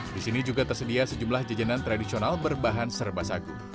di sini juga tersedia sejumlah jajanan tradisional berbahan serba sagu